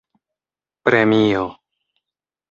premio